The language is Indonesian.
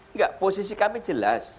enggak posisi kami jelas